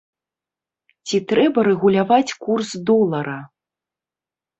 Ці трэба рэгуляваць курс долара?